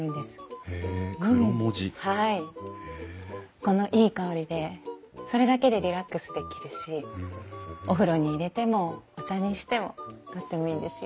このいい香りでそれだけでリラックスできるしお風呂に入れてもお茶にしてもとってもいいんですよ。